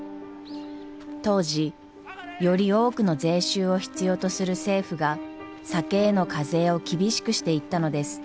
当時より多くの税収を必要とする政府が酒への課税を厳しくしていったのです。